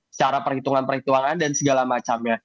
secara perhitungan perhitungan dan segala macamnya